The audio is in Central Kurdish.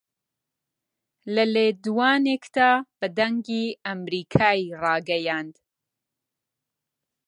لە لێدوانێکدا بە دەنگی ئەمەریکای ڕاگەیاند